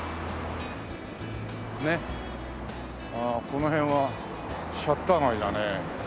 この辺はシャッター街だね。